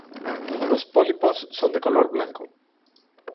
Los pólipos son de color blanco.